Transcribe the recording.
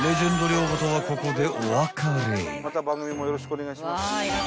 また番組もよろしくお願いします。